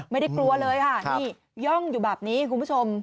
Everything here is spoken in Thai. ไม่ได้กลัวเลยค่ะนี่ย่องอยู่แบบนี้คุณผู้ชม